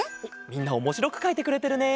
みんなおもしろくかいてくれてるね。